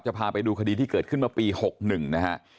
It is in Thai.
พาไปดูคดีที่เกิดขึ้นเมื่อปี๖๑นะฮะ